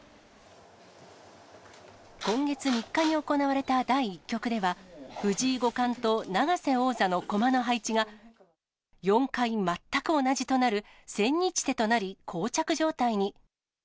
今月３日に行われた第１局では、藤井五冠と永瀬王座の駒の配置が、４回全く同じとなる千日手となり、こう着状態に。